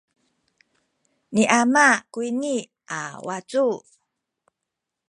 ni ama kuyni a wacu.